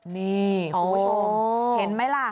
นี่คุณผู้ชมเห็นไหมล่ะ